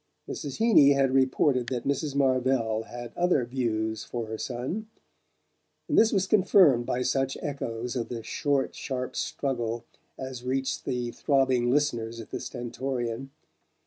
Mrs. Heeny had reported that Mrs. Marvell had other views for her son; and this was confirmed by such echoes of the short sharp struggle as reached the throbbing listeners at the Stentorian.